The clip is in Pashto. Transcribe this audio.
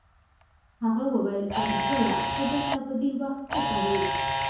هغه وویل فریدګله ته دلته په دې وخت څه کوې